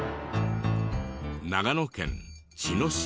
長野県茅野市。